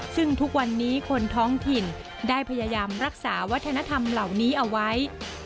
ซึ่งทุกวันนี้คนท้องถิ่นได้พยายามรักษาวัฒนธรรมเหล่านี้เอาไว้